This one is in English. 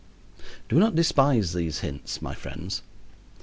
Do not despise these hints, my friends.